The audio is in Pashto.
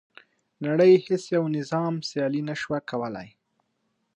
نړۍ هیڅ یو نظام سیالي نه شوه کولای.